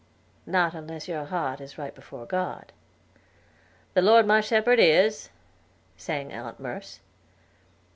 "Not unless your heart is right before God." "'The Lord my Shepherd is,'" sang Aunt Merce.